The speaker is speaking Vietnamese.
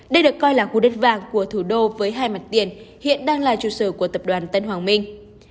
đây được coi là khu đất vàng của thủ đô với hai mặt tiền hiện đang là trụ sở của tập đoàn tân hoàng minh